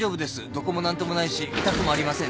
どこも何ともないし痛くもありません。